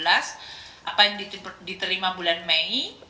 apa yang diterima bulan mei